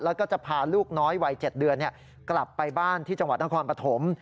แล้วก็จะพาลูกน้อยวัย๗เดือนกลับไปบ้านที่จังหวัดนครปฐม